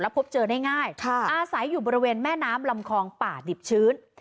พบเจอได้ง่ายอาศัยอยู่บริเวณแม่น้ำลำคองป่าดิบชื้น